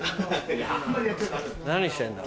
何してんだ？